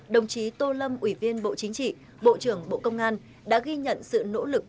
đồng chí tô lâm ủy viên bộ chính trị bộ trưởng bộ công an đã ghi nhận sự nỗ lực